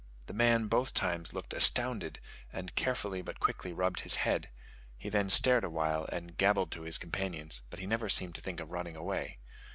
The man both times looked astounded, and carefully but quickly rubbed his head; he then stared awhile, and gabbled to his companions, but he never seemed to think of running away.